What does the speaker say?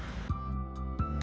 ke rumah sakit